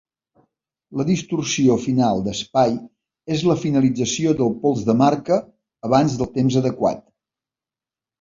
La distorsió final d'espai és la finalització dels pols de marca abans del temps adequat.